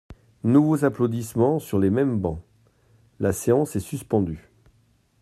(Nouveaux applaudissements sur les mêmes bancs.) La séance est suspendue.